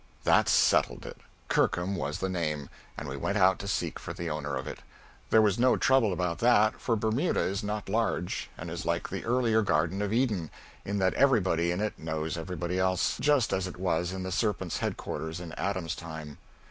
That settled it. Kirkham was the name; and we went out to seek for the owner of it. There was no trouble about that, for Bermuda is not large, and is like the earlier Garden of Eden, in that everybody in it knows everybody else, just as it was in the serpent's headquarters in Adam's time.